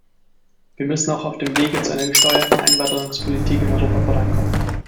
Wir müssen auch auf dem Wege zu einer gesteuerten Einwanderungspolitik in Europa vorankommen.